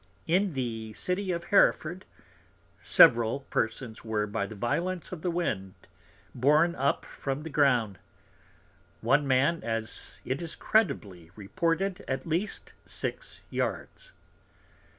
In the City of Hereford, several persons were, by the Violence of the Wind, borne up from the Ground; one Man (as it is credibly reported) at least six Yards.